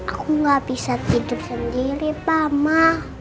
aku gak bisa tidur sendiri mama